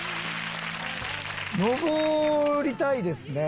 登りたいですね。